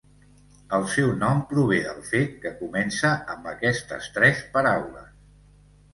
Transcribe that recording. El seu nom prové del fet que comença amb aquestes tres paraules.